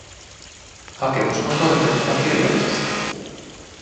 Hakemus on toimitettava kirjallisesti